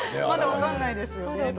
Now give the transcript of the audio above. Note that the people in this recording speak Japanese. まだ分からないですね。